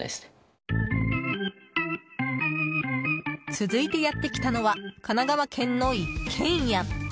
続いてやってきたのは神奈川県の一軒家。